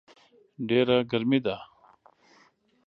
ډېره ګرمي ده